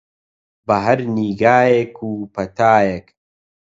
بە هەر نیگایەک و پەتایەکە